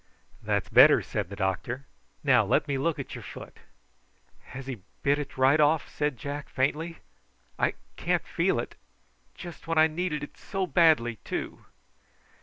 "That's better," said the doctor. "Now let me look at your foot." "Has he bit it right off?" said Jack faintly. "I can't feel it. Just when I needed it so badly, too!"